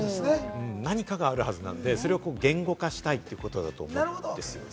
何かがあるはずなので、それを言語化したいってことだと思うんですよね。